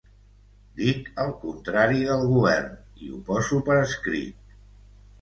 Dic el contrari del Govern, i ho poso per escrit.